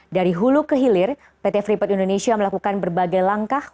dari hulu ke hilir pt freeport indonesia melakukan berbagai langkah